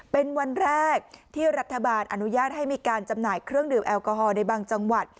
เป็นวันแรกที่รัฐบาลอนุญาตให้มีการจำหน่ายเครื่องดื่มแอลกอฮอลในบางจังหวัด